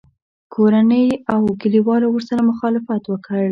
کورنۍ او کلیوالو ورسره مخالفت وکړ